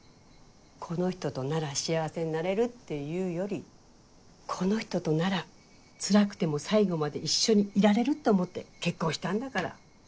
この人となら幸せになれるっていうよりこの人とならつらくても最後まで一緒にいられるって思って結婚したんだから。